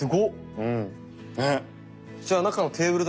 うん。